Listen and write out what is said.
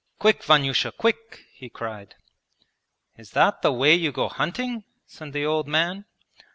'Quick, Vanyusha, quick!' he cried. 'Is that the way you go hunting?' said the old man.